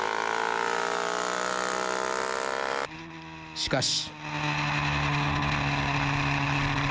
しかし。